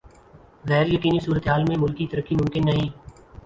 غیر یقینی صورتحال میں ملکی ترقی ممکن نہیں۔